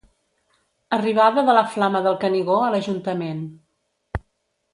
Arribada de la Flama del Canigó a l'Ajuntament.